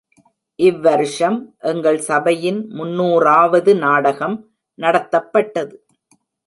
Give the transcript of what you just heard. இவ்வருஷம் எங்கள் சபையின் முன்னூறாவது நாடகம் நடத்தப்பட்டது.